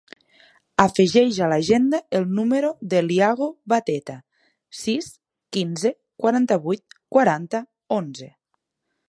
Afegeix a l'agenda el número de l'Iago Beteta: sis, quinze, quaranta-vuit, quaranta, onze.